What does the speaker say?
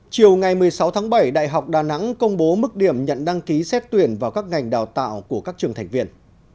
chiều ngày một mươi sáu tháng bảy đại học đà nẵng công bố mức điểm nhận đăng ký xét tuyển vào các ngành đào tạo của các trường thành viên